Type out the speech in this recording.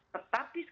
tetapi sekali lagi